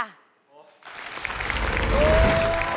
โอ๊ย